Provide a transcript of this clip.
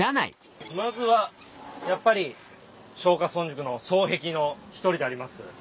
まずはやっぱり松下村塾の双璧の１人であります